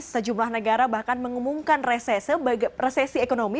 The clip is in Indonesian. sejumlah negara bahkan mengumumkan resesi ekonomi